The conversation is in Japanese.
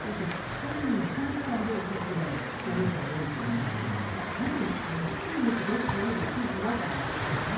本人の恐怖感で打っていない高齢者が多いということなので中国でということで違和感があったんですけどね。